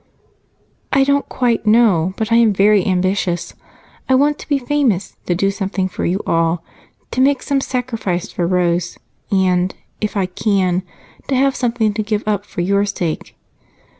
"I don't quite know, but I am very ambitious. I want to be famous, to do something for you all, to make some sacrifice for Rose, and, if I can, to have something to give up for your sake.